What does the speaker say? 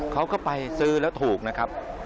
เขาก็ไปซื้อแล้วถูกนะครับ